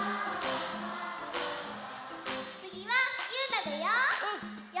つぎはゆうなだよ！